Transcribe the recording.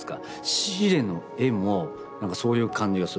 シーレの絵もなんかそういう感じがする。